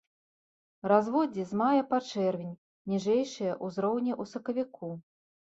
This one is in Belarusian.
Разводдзе з мая па чэрвень, ніжэйшыя ўзроўні ў сакавіку.